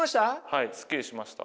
はいすっきりしました。